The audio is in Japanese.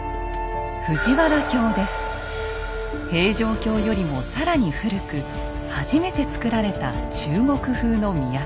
平城京よりも更に古く初めてつくられた中国風の都。